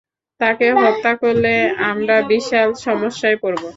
তাকে হত্যা করলে আমরা বিশাল সমস্যায় পড়ব।